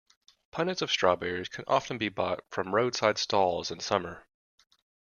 Punnets of strawberries can often be bought from roadside stalls in summer